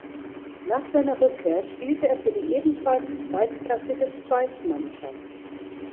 Nach seiner Rückkehr spielte er für die ebenfalls zweitklassige Zweitmannschaft.